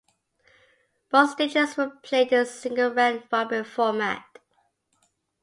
Both stages were played in a single round-robin format.